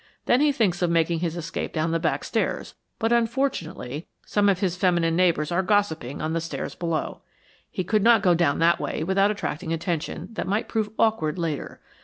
Then he thinks of making his escape down the back stairs, but unfortunately some of his feminine neighbors are gossiping on the stairs below. He could not go down that way without attracting attention that might prove awkward later.